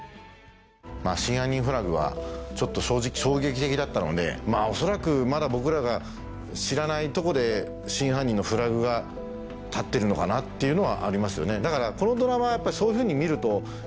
『真犯人フラグ』はちょっと正直衝撃的だったので恐らくまだ僕らが知らないとこで真犯人のフラグが立ってるのかなっていうのはありますよね。